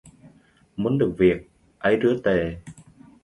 Muốn được việc, ấy rứa tề